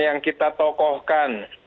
yang kita tokohkan